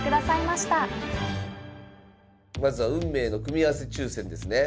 まずは運命の組み合わせ抽選ですね。